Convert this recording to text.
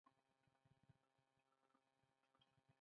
لا د مځکی تناوونه، لاره باسی زلزلوته